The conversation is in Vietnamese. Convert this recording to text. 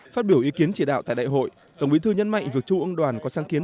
phát biểu ý kiến chỉ đạo tại đại hội tổng bí thư nhấn mạnh việc trung ương đoàn có sáng kiến